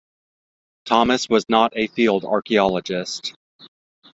Thomas was not a field archaeologist.